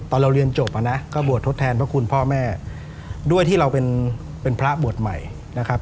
ตอนเราเรียนจบอ่ะนะก็บวชทดแทนพระคุณพ่อแม่ด้วยที่เราเป็นพระบวชใหม่นะครับ